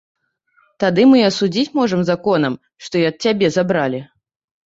Тады мы і адсудзіць можам законам, што і ад цябе забралі.